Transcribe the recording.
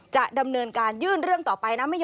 จะดำเนินการยื่นเรื่องต่อไปนะ